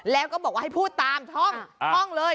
แล้วก็บอกว่าให้พูดตามช่องเลย